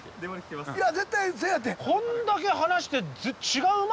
いや絶対そうやって。